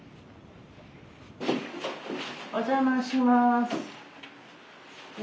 お邪魔します。